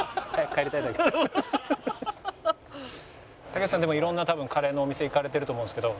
竹内さんでも色んなカレーのお店行かれてると思うんですけど。